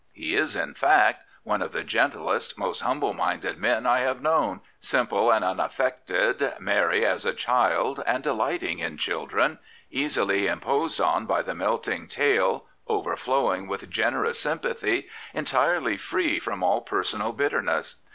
He is, in fact, one of the gentlest, most humble minded men I have known, simple and unaffected, merry as a child and delighting in children, easily imposed on by the melting tale, overflowing with generous sympathy, entirely free from all personal bitterness.